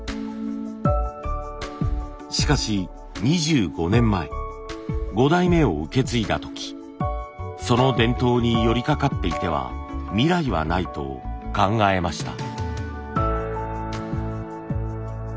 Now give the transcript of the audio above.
しかし２５年前５代目を受け継いだ時その伝統に寄りかかっていては未来はないと考えました。